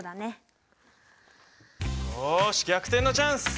よし逆転のチャンス！